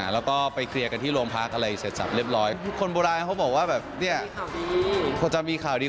แล้วก็ไปเคลียร์กันที่โรงพักอะไรเสร็จจับเรียบร้อย